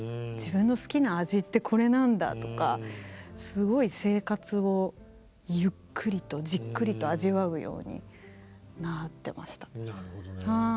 自分の好きな味ってこれなんだ」とかすごい生活をゆっくりとじっくりと味わうようになってました。